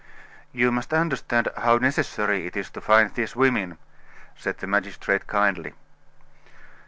"You must understand how necessary it is to find these women," said the magistrate kindly.